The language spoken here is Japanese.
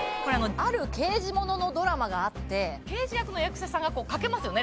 ある刑事モノのドラマがあって刑事役の役者さんがかけますよね